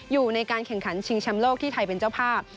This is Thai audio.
อยู่ในการแข่งขันชิงแชมป์โลกที่ไทยเป็นเจ้าภาพ